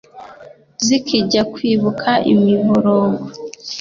zikijya kwibuka imiborogo